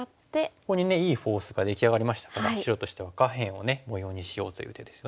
ここにいいフォースが出来上がりましたから白としては下辺を模様にしようという手ですよね。